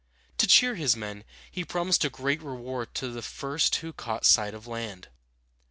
To cheer his men, he promised a great reward to the first who caught sight of land.